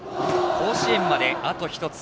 甲子園まで、あと１つ。